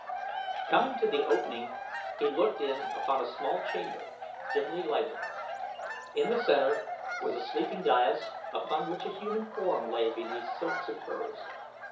Coming to the opening he looked in upon a small chamber dimly lighted. In the center was a sleeping dais upon which a human form lay beneath silks and furs.